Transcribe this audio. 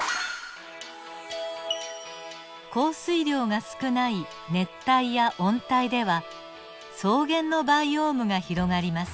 降水量が少ない熱帯や温帯では草原のバイオームが広がります。